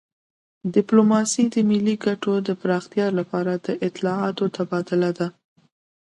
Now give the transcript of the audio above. ډیپلوماسي د ملي ګټو د پراختیا لپاره د اطلاعاتو تبادله ده